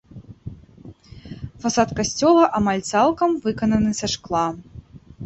Фасад касцёла амаль цалкам выкананы са шкла.